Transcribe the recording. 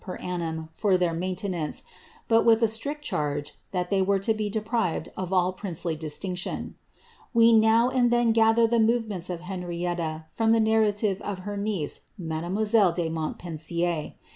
per annum for their maintenance, hot, with a atriet charge, that they were to be deprived of all princely distinetifML We now and then cather the movements of Henrietta from ihm nariao live of her niece, mademoiselle de Montpensier.